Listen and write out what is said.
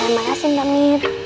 terima kasih mbak mir